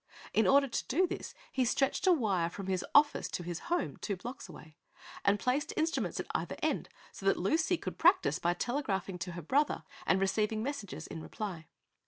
In order to do this he stretched a wire from his office to his home, two blocks away, and placed instruments at either end so that Lucy could practice by telegraphing to her brother and receiving messages in reply.